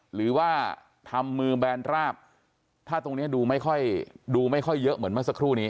หรือว่าทำมือแบนราบถ้าตรงนี้ดูไม่ค่อยดูไม่ค่อยเยอะเหมือนเมื่อสักครู่นี้